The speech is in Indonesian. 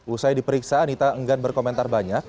usai diperiksa anita enggan berkomentar banyak